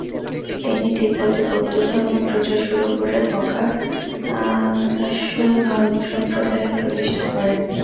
তিনি তিব্বতে বৌদ্ধ ধর্ম প্রচার শুরু করে ব্কা'-গ্দাম্স ধর্মসম্প্রদায়ের প্রতিষ্ঠা করেন।